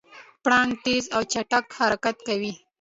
پړانګ تېز او چټک حرکت کوي.